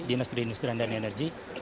dinas pedi industrian dan energi